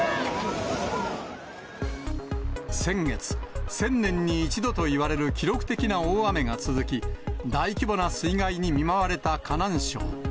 先月、１０００年に一度といわれる記録的な大雨が続き、大規模な水害に見舞われた河南省。